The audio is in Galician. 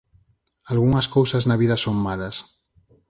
Algunhas cousas na vida son malas.